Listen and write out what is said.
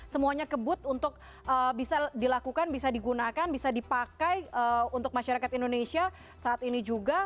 semuanya kebut untuk bisa dilakukan bisa digunakan bisa dipakai untuk masyarakat indonesia saat ini juga